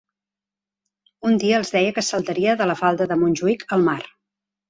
Un dia els deia que saltaria de la falda de Montjuïc al mar.